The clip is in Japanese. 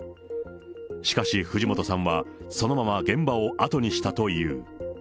しかし、藤本さんはそのまま現場を後にしたという。